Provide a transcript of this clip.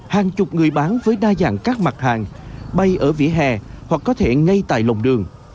hàng chục người bán với đa dạng các mặt hàng bay ở vỉa hè hoặc có thể ngay tại lòng đường